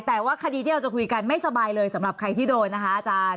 แต่ว่าคดีที่เราจะคุยกันไม่สบายเลยสำหรับใครที่โดนนะคะอาจารย์